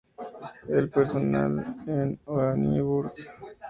El personal en Oranienburg.